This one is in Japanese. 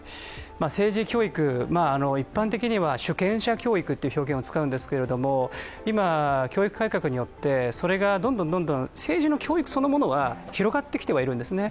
政治教育、一般的には主権者教育という表現を使うんですけど今、教育改革によってそれがどんどん政治の教育そのものは広がってきてはいるんですね。